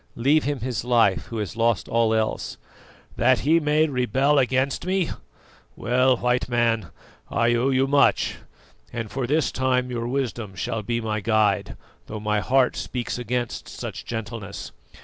Leave him his life who has lost all else." "That he may rebel against me? Well, White Man, I owe you much, and for this time your wisdom shall be my guide, though my heart speaks against such gentleness.